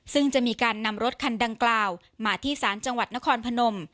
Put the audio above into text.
ซึ่งจะมีการนำรถคันดังกล่าวมาที่ศาลจังหวัดนครพนม